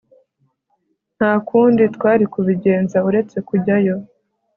Nta kundi twari kubigenza uretse kujyayo